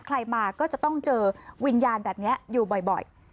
ใครมาก็จะต้องเจอวิญญาณแบบนี้อยู่บ่อย